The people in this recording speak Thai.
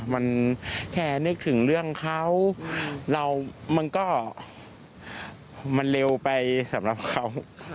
มันแค่นึกถึงเรื่องเขาเรามันก็มันเร็วไปสำหรับเขา